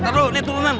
jangan lo lem